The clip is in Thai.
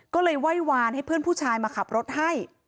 ก็เลยไหว้วานให้เพื่อนผู้ชายมาขับรถให้